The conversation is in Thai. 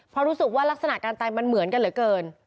เพราะรู้สึกว่ารักษณะการตายมันเหมือนกันเหลือเกิน